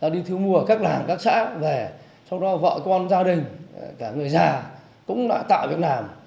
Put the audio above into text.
đi thiếu mua ở các làng các xã về sau đó vợ con gia đình cả người già cũng đã tạo việc làm